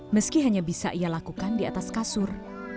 meski hanya bisa ia lakukan di atas kasur